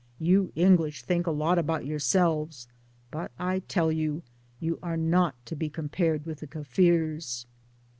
You English think' a lot about yourselves, but I tell you, you are not to be compared with 1 the Kaffirs.'